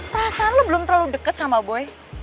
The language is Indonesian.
perasaan lo belum terlalu dekat sama boy